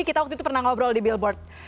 kita waktu itu pernah ngobrol di billboard